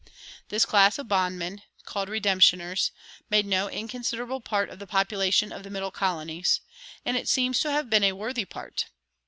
This class of bondmen, called "redemptioners," made no inconsiderable part of the population of the middle colonies; and it seems to have been a worthy part.